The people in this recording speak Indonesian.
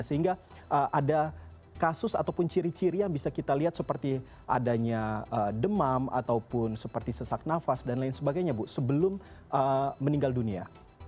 sehingga ada kasus ataupun ciri ciri yang bisa kita lihat seperti adanya demam ataupun seperti sesak nafas dan lain sebagainya bu sebelum meninggal dunia